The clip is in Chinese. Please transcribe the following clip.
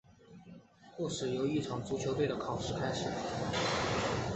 故事由一场足球队的考试开始。